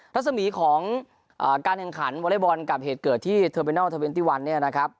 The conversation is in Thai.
รัศมีของการแข่งขันวอลไล่บอลกับเหตุเกิดที่เทอร์เบนเนอล๒๑นะครับ